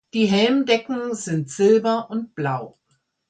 Die Helmdecken sind Silber und Blau.